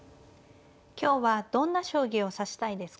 今日はどんな将棋を指したいですか。